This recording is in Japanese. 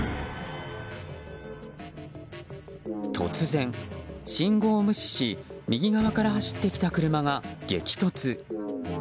突然、信号を無視し右側から走ってきた車が激突。